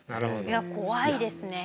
いや怖いですね。